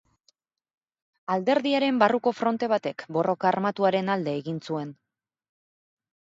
Alderdiaren barruko fronte batek borroka armatuaren alde egin zuen.